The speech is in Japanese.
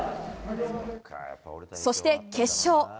そして、決勝。